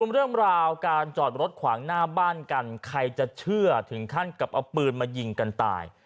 เรื่องราวการจอดรถขวางหน้าบ้านกันใครจะเชื่อถึงขั้นกับเอาปืนมายิงกันตาย